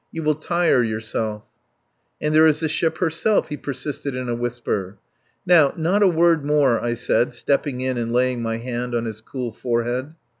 You will tire yourself." "And there is the ship herself," he persisted in a whisper. "Now, not a word more," I said, stepping in and laying my hand on his cool forehead.